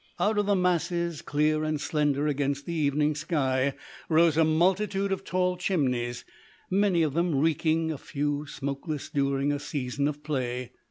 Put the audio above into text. Out of the masses, clear and slender against the evening sky, rose a multitude of tall chimneys, many of them reeking, a few smokeless during a season of "play."